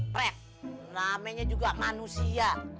prek namanya juga manusia